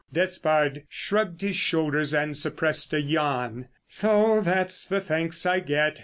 Despard shrugged his shoulders and suppressed a yawn. "So that's all the thanks I get.